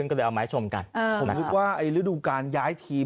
ที่เกิดขึ้นก็เลยเอาใหม่ชมกันผมว่าไอ้ฤดูการย้ายทีม